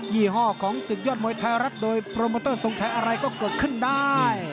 ี่ห้อของศึกยอดมวยไทยรัฐโดยโปรโมเตอร์ทรงไทยอะไรก็เกิดขึ้นได้